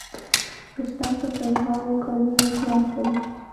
رستم په سل هاوو کلونه ژوند کوي.